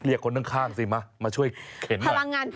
ก็เรียกคนข้างมามาช่วยเข็้นหน่อย